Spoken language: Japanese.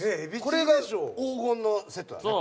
これが黄金のセットだよね。